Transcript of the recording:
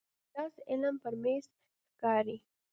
ګیلاس د علم پر میز ښکاري.